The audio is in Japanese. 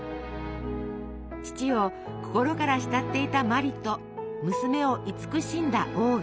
父を心から慕っていた茉莉と娘を慈しんだ鴎外。